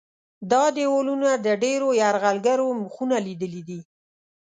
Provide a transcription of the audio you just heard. دا دیوالونه د ډېرو یرغلګرو مخونه لیدلي دي.